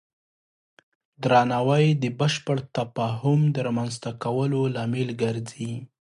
درناوی د بشپړ تفاهم د رامنځته کولو لامل ګرځي.